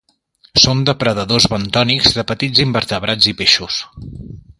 Són depredadors bentònics de petits invertebrats i peixos.